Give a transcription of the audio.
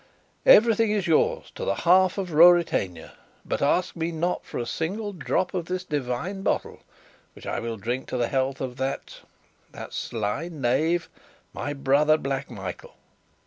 everything is yours to the half of Ruritania. But ask me not for a single drop of this divine bottle, which I will drink to the health of that that sly knave, my brother, Black Michael."